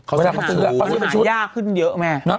เขาอยากจะตื่นคายากขึ้นเยอะแม่